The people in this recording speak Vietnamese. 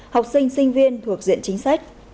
học sinh sinh viên thuộc diện chính sách